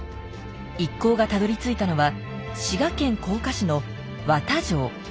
一行がたどりついたのは滋賀県甲賀市の和田城。